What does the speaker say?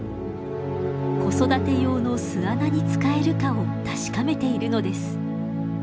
子育て用の巣穴に使えるかを確かめているのです。